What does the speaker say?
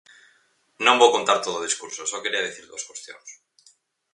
Non vou contar todo o discurso, só quería dicir dúas cuestións.